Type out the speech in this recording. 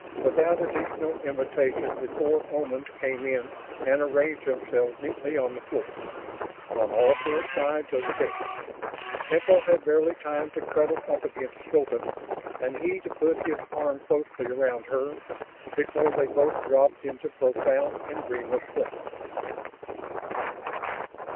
Without additional invitation the four Omans came in and arranged themselves neatly on the floor, on all four sides of the bed. Temple had barely time to cuddle up against Hilton, and he to put his arm closely around her, before they both dropped into profound and dreamless sleep.